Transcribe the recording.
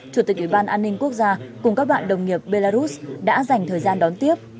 chủ tịch ủy ban an ninh quốc gia cùng các bạn đồng nghiệp belarus đã dành thời gian đón tiếp